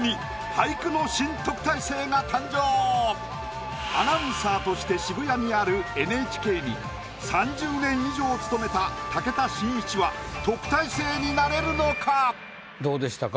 いやアナウンサーとして渋谷にあるＮＨＫに３０年以上勤めた武田真一は特待生になれるのか⁉どうでしたか？